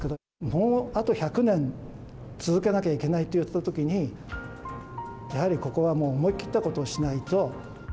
もうあと１００年続けなきゃいけないといったときに、やはりここはもう、思い切ったことをしないと。